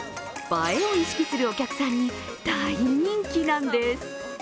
映えを意識するお客さんに大人気なんです。